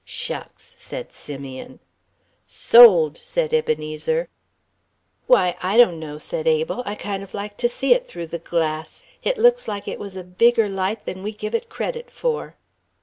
"Shucks," said Simeon. "Sold," said Ebenezer. "Why, I don't know," said Abel, "I kind of like to see it through the glass. It looks like it was a bigger light than we give it credit for."